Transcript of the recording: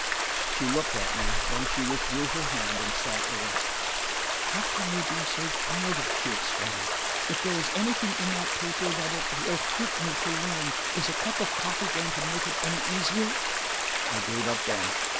She looked at me; then she withdrew her hand and sat erect. "How can you be so childish!" she exclaimed. "If there is anything in that paper that it–will hurt me to learn, is a cup of coffee going to make it any easier?" I gave up then.